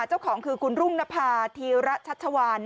เจ้าของคือคุณรุ่งนภาธีระชัชวาน